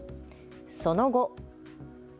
その後。